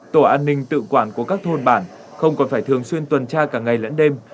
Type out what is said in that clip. tổ an ninh tự quản của các thôn bản không còn phải thường xuyên tuần tra cả ngày lẫn đêm